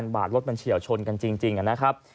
บาทรถมันเฉียวชนกันจริงนะครับ